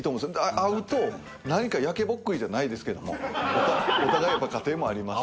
会うと何か焼けぼっくいじゃないですけどもお互いやっぱ家庭がありますし。